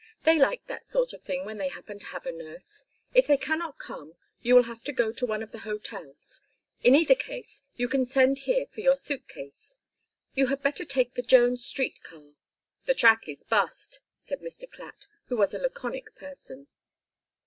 "They like that sort of thing when they happen to have a nurse. If they cannot come you will have to go to one of the hotels. In either case you can send here for your suit case. You had better take the Jones Street car " "The track is bust," said Mr. Clatt, who was a laconic person.